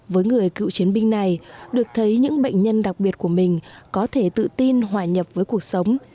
với người cựu chiến binh này được thấy những bệnh nhân đặc biệt của mình có thể tự tin hòa nhập với cuộc sống